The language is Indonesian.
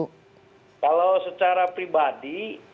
kalau secara pribadi